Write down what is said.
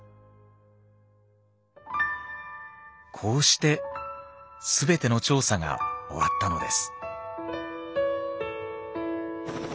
こうして全ての調査が終わったのです。